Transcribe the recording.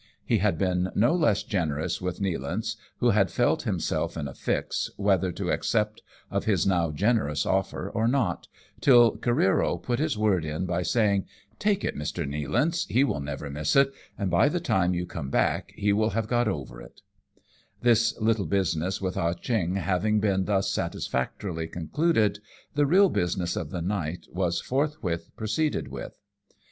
He had been no less generous with Nealance, who had felt himself in a fix, whether to accept of his now generous ofier or not, till Careero put his word in by saying, " Take it, Mr. Nealance, he will never miss it, and by the time you come back he will have got over if." 2o6 AMONG TYPHOONS AND PIRATE CRAFT This little business with Ah Cheong having been thus satisfactorily concluded, the real business of the night was forthwith proceeded with.